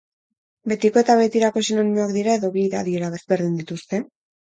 Betiko eta betirako sinonimoak dira edo bi adiera ezberdin dituzte?